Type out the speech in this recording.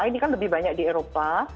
ini kan lebih banyak di eropa